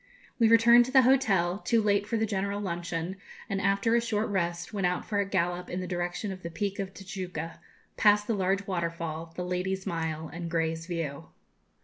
We returned to the hotel, too late for the general luncheon, and, after a short rest, went out for a gallop in the direction of the peak of Tijuca, past the large waterfall, the 'Ladies' Mile,' and 'Grey's View.'